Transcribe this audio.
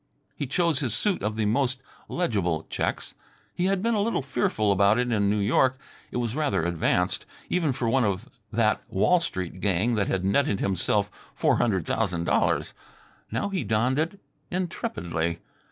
He chose his suit of the most legible checks. He had been a little fearful about it in New York. It was rather advanced, even for one of that Wall Street gang that had netted himself four hundred thousand dollars. Now he donned it intrepidly.